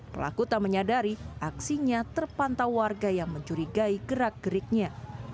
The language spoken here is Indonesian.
pelaku tak menyadari aksinya terpantau warga yang mencurigai gerak geriknya